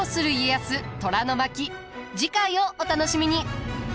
次回をお楽しみに。